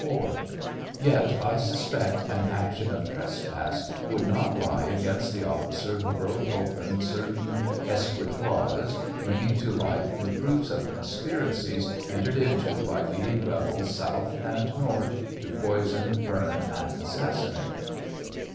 IV,) yet, I sue pect, an action of trespass would not lie against the officer who broke open certaii escritoires, bringing to light the proofs of conspiracies entered into by leadinj rebels south and north to poison, burn, and assassinate.